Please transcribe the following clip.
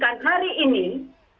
karena di triwunnya